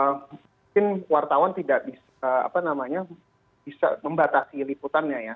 mungkin wartawan tidak bisa membatasi liputannya ya